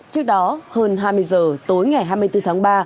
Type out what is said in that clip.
trước đó hơn hai mươi giờ tối ngày hai mươi bốn tháng ba